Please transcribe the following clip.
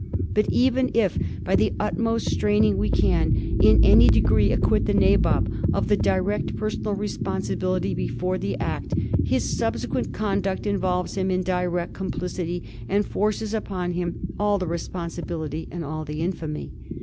But even if by the utmost strain ing we can in any degree acquit the Nabob of direct per sonal responsibility before the act, his subsequent conduct involves him in direct complicity, and forces upon him all the responsibility and all the infamy.